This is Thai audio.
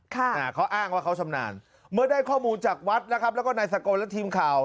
อ่าเขาอ้างว่าเขาชำนาญเมื่อได้ข้อมูลจากวัดนะครับแล้วก็นายสกลและทีมข่าว